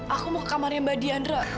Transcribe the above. aku mau ke kamarnya mbak dianra